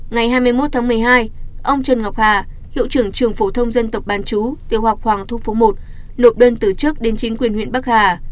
ngày hai mươi một tháng một mươi hai ông trần ngọc hà hiệu trưởng trường phổ thông dân tộc bán chú tiểu học hoàng thu phú một nộp đơn từ trước đến chính quyền huyện bắc hà